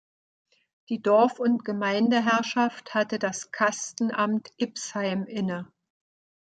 Die Dorf- und Gemeindeherrschaft hatte das Kastenamt Ipsheim inne.